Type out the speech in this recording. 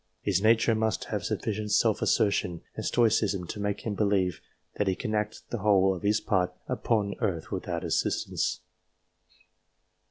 His nature must have sufficient self assertion and stoicism to make him believe that he can act the whole of his part upon earth without assistance.